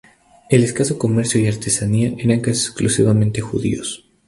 El escaso comercio y artesanía eran casi exclusivamente judíos.